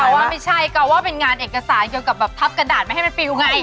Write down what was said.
ว่าไม่ใช่ก็ว่าเป็นงานเอกสารเกี่ยวกับแบบทับกระดาษไม่ให้มันฟิลไง